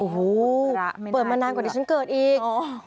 โอ้โหเปิดมานานกว่าดิฉันเกิดอีก